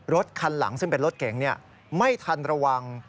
รถคันหลังซึ่งเป็นรถเก๋งไม่ทันระวัง